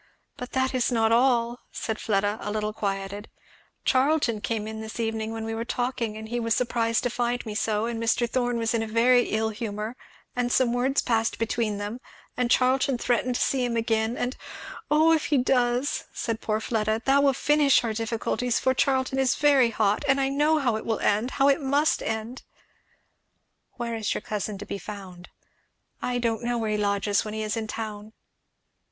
"But that is not all," said Fleda, a little quieted; "Charlton came in this evening when we were talking, and he was surprised to find me so, and Mr. Thorn was in a very ill humour, and some words passed between them; and Charlton threatened to see him again; and Oh if he does!" said poor Fleda, "that will finish our difficulties! for Charlton is very hot, and I know how it will end how it must end " "Where is your cousin to be found?" "I don't know where he lodges when he is in town."